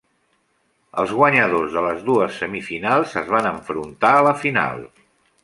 Els guanyadors de les dues semifinals es van enfrontar a la final.